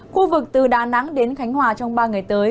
khu vực từ đà nẵng đến khánh hòa trong ba ngày tới